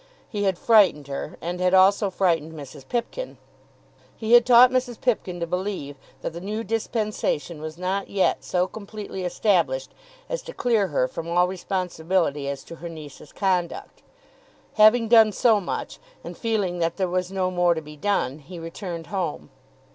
He had frightened her, and had also frightened Mrs. Pipkin. He had taught Mrs. Pipkin to believe that the new dispensation was not yet so completely established as to clear her from all responsibility as to her niece's conduct. Having done so much, and feeling that there was no more to be done, he returned home.